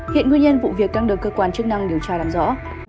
hiện nguyên nhân vụ việc đang được cơ quan chức năng điều tra làm rõ